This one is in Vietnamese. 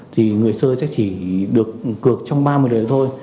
thì người chơi sẽ chỉ được cược trong ba mươi lượt thôi